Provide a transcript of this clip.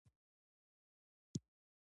دا تولیدات د پلورلو او مبادلې لپاره نه وو.